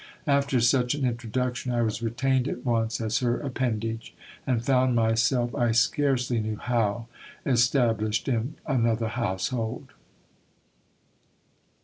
After such an introduction, I was retained at once as her appendage, and found myself, I scarcely knew how, established in another household.